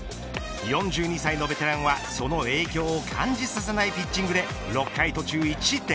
４２歳のベテランはその影響を感じさせないピッチングで６回途中１失点。